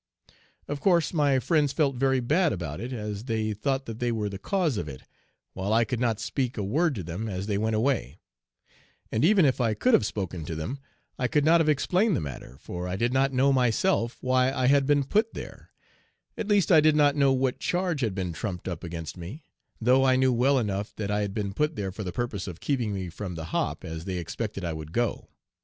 Of course my friends felt very bad about it, as they thought that they were the cause of it, while I could Not speak a word to them, as they went away; and even if I could have spoken to them, I could not have explained the matter, for I did not know myself why I had been put there at least I did not know what charge had been trumped up against me, though I knew well enough that I had been put there for the purpose of keeping me from the 'hop,' as they expected I would go.